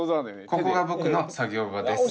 ここが僕の作業場です。